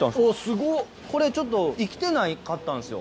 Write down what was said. これちょっと生きてなかったんですよ。